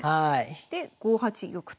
で５八玉と。